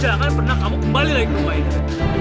jangan pernah kamu kembali lagi ke rumah ini red